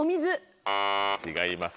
違います